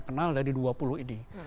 kenal dari dua puluh ini